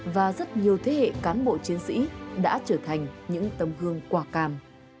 và rất nhiều thế hệ cán bộ chiến sĩ đã trở thành những tầm gương quả càm